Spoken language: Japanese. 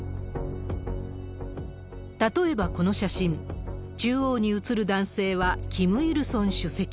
例えばこの写真、中央に写る男性はキム・イルソン主席。